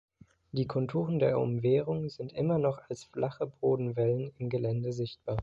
Die Konturen der Umwehrung sind immer noch als flache Bodenwellen im Gelände sichtbar.